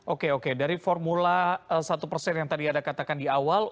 oke oke dari formula satu persen yang tadi ada katakan di awal